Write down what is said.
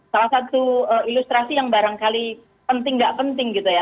salah satu ilustrasi yang barangkali penting nggak penting gitu ya